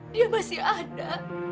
dia masih ada